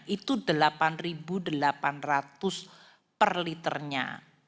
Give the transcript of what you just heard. itu delapan delapan ratus per liternya